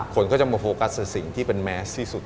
คนก็จะมาโฟกัสกับสิ่งที่เป็นแมสที่สุด